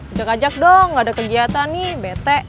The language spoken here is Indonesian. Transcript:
ajak ajak dong nggak ada kegiatan nih bete